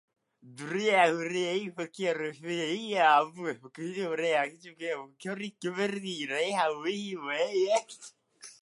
ｄｄｖ れあうれい ｆ け ｆ るいええあ ｖｋｆ れあ ｖ け ｒｖ け ｒｖ れいへはうふぁういえ